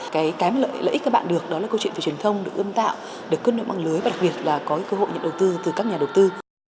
cái lợi ích các bạn được đó là câu chuyện về truyền thông được ưm tạo được cân nộp bằng lưới và đặc biệt là có cơ hội nhận đầu tư từ các nhà đầu tư